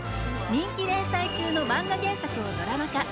人気連載中のマンガ原作をドラマ化。